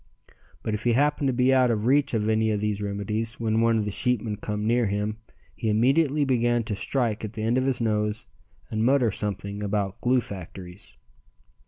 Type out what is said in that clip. But if he happened to be out of reach of any of these remedies when one of the sheepmen come near him he immediately began to strike at the end of his nose and mutter something about glue factories.